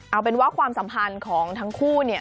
เอาเป็นว่าความสัมพันธ์ของทั้งคู่เนี่ย